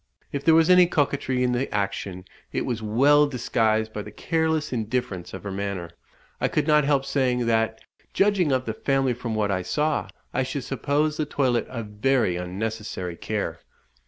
If there was any coquetry in the action, it was well disguised by the careless indifference of her manner. I could not help saying, "that, judging of the family from what I saw, I should suppose the toilette a very unnecessary care."